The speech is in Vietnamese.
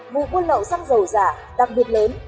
vụ quân lậu xăng dầu giả đặc biệt lớn